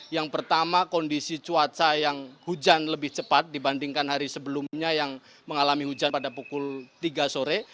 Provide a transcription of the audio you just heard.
yang pertama kondisi cuaca yang hujan lebih cepat dibandingkan hari sebelumnya yang mengalami hujan pada pukul tiga sore